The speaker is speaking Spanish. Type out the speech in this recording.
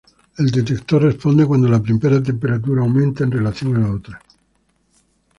El detector responde cuando la primera temperatura aumenta en relación a la otra.